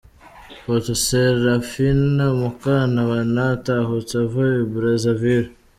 Photo: Serafina Mukantabana atahutse ava i Brazzaville